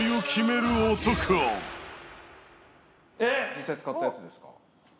実際使ったやつですか？